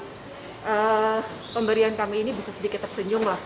dan pemberian kami ini bisa sedikit tersenyum lah